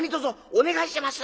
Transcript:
「お願いします」。